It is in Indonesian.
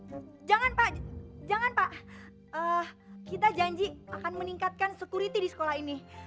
jangan pak jangan pak kita janji akan meningkatkan security di sekolah ini